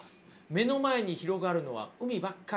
目の前に広がるのは海ばっかり。